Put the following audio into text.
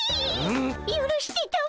ゆるしてたも。